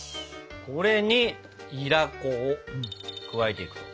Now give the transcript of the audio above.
これにいら粉を加えていく。